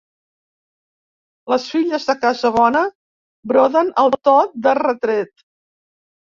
Les filles de casa bona broden el to de retret.